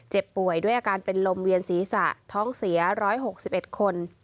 ป่วยด้วยอาการเป็นลมเวียนศีรษะท้องเสีย๑๖๑คน